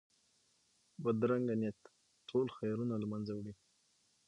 بدرنګه نیت ټول خیرونه له منځه وړي